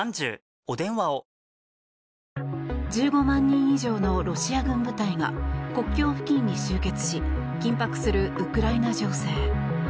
１５万人以上のロシア軍部隊が国境付近に集結し緊迫するウクライナ情勢。